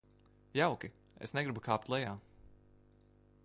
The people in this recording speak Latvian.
Jauki, es negribu kāpt lejā.